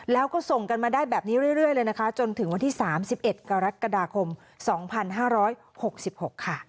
แล้วก็ส่งกันมาได้แบบนี้เรื่อยเลยนะคะจนถึงวันที่๓๑กรกฎาคม๒๕๖๖ค่ะ